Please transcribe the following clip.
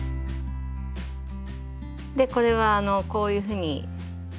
これはこういうふうに。